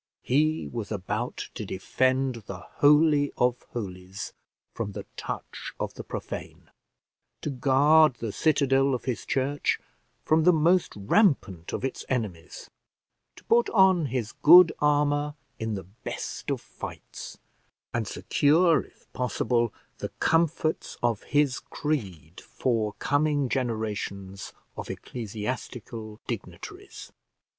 He was about to defend the holy of holies from the touch of the profane; to guard the citadel of his church from the most rampant of its enemies; to put on his good armour in the best of fights, and secure, if possible, the comforts of his creed for coming generations of ecclesiastical dignitaries.